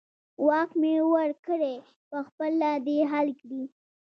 واک مې ورکړی، په خپله دې حل کړي.